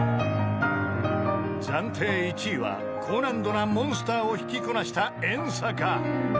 ［暫定１位は高難度な『Ｍｏｎｓｔｅｒ』を弾きこなした遠坂］